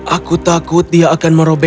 aku takut dia akan merobekmu berkepala